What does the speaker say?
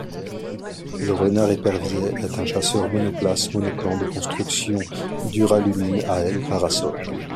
Le Renard Épervier est un chasseur monoplace monoplan de construction duralumin à aile parasol.